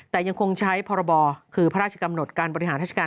แต่ยังคงใช้พระราชกัมหนดการบริหารทหารอาชิกา